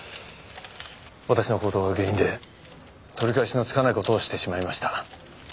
私の行動が原因で取り返しのつかないことをしてしまいました